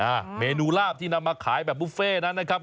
อ่าเมนูลาบที่นำมาขายแบบบุฟเฟ่นั้นนะครับ